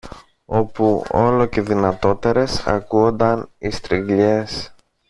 όπου όλο και δυνατότερες ακούουνταν οι στριγλιές.